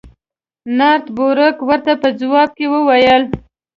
نارت بروک ورته په ځواب کې وویل.